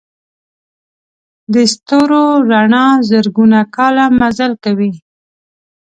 د ستورو رڼا زرګونه کاله مزل کوي.